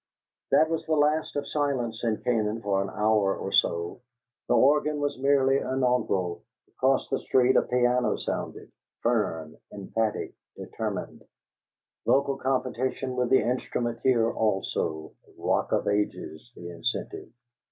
That was the last of silence in Canaan for an hour or so. The organ was merely inaugural: across the street a piano sounded; firm, emphatic, determined, vocal competition with the instrument here also; "Rock of Ages" the incentive.